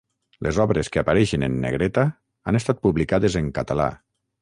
Les obres que apareixen en negreta han estat publicades en català.